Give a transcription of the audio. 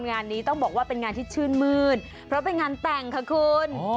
งานนี้ต้องบอกว่าเป็นงานที่ชื่นมืดเพราะเป็นงานแต่งค่ะคุณ